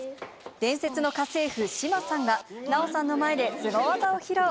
伝説の家政婦志麻さんが、奈緒さんの前ですご技を披露。